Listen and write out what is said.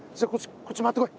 こっち回ってこい。